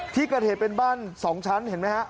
ที่กระเทศเป็นบ้าน๒ชั้นเห็นไหมครับ